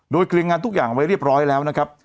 โดยเคลียร์งานทุกอย่างไว้เรียบร้อยแล้วนะครับ